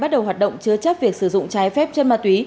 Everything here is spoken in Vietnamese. đồng chứa chấp việc sử dụng trái phép chất ma túy